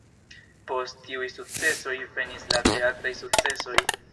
Post tiuj sukcesoj venis la teatraj sukcesoj.